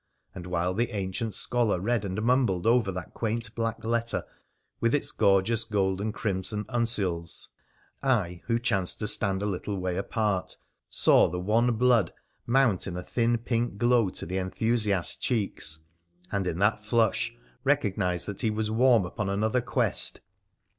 And while the ancient scholar read and mumbled over that quaint black letter with its gorgeous gold and crimson uncials, I, who chanced to stand a little way apart, saw the wan blood mount in a thin pink glow to the enthusiast's cheeks, and in that flush recognised that he was warm upon another quest.